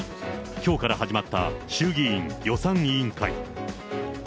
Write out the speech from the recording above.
きょうから始まった衆議院予算委員会。